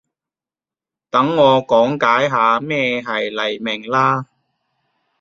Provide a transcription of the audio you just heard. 等我講解下咩係黎明啦